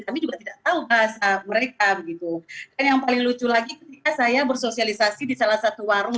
kami juga tidak tahu bahasa mereka begitu dan yang paling lucu lagi ketika saya bersosialisasi di salah satu warung